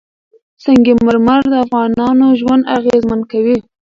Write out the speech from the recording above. سنگ مرمر د افغانانو ژوند اغېزمن کوي.